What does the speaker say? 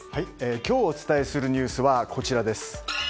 今日、お伝えするニュースはこちらです。